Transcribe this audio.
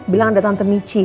bilang ada tante mici